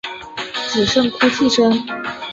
只剩哭泣声